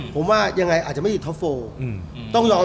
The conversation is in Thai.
ผมว่ายังไงอาจจะไม่ได้ทัฟโฟล์